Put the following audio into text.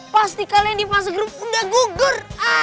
pasti kalian di fase grup udah gugur